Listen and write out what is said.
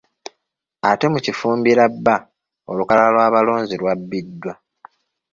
Ate mu Kifumbira B olukalala lw’abalonzi lwabbiddwa.